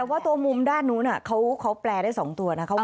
แต่ว่าตัวมุมด้านนู้นเขาแปลได้๒ตัวนะเขากลับได้นะ